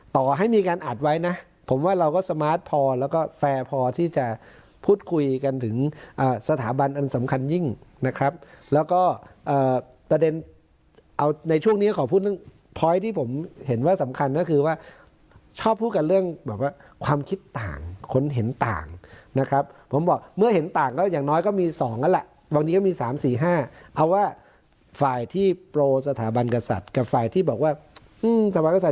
ต่อให้มีการอัดไว้นะผมว่าเราก็สมาร์ทพอแล้วก็แฟร์พอที่จะพูดคุยกันถึงอ่าสถาบันอันสำคัญยิ่งนะครับแล้วก็อ่าตระเด็นเอาในช่วงนี้ขอพูดเรื่องที่ผมเห็นว่าสำคัญก็คือว่าชอบพูดกันเรื่องแบบว่าความคิดต่างคนเห็นต่างนะครับผมบอกเมื่อเห็นต่างก็อย่างน้อยก็มีสองน่ะแหละบางทีก็มีสามสี่